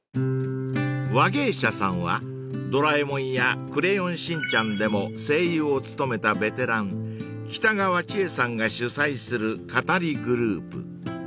［話芸写さんは『ドラえもん』や『クレヨンしんちゃん』でも声優を務めたベテラン北川智繪さんが主宰する語りグループ］